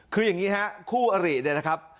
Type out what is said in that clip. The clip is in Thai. คืออย่างนี้ฮะคู่อริเนี่ยนะครับ